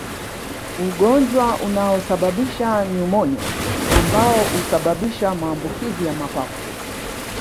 Ugonjwa unaosababisha nyumonia ambao usababisha maambukizi ya mapafu